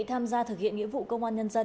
tham gia thực hiện nghĩa vụ công an nhân dân